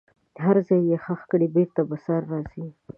هر ځای یې ښخ کړئ بیرته به سره راځي.